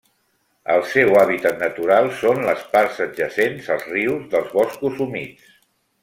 El seu hàbitat natural són les parts adjacents als rius dels boscos humits.